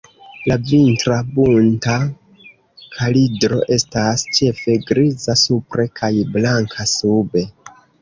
La vintra Bunta kalidro estas ĉefe griza supre kaj blanka sube.